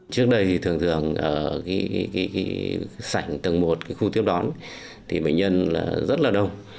trước đây thì thường thường ở sảnh tầng một cái khu tiếp đón thì bệnh nhân rất là đông